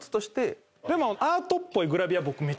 でも。